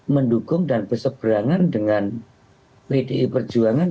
mendukung dan berseberangan dengan pdi perjuangan